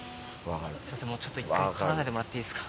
ちょっと１回撮らないでもらっていいですか。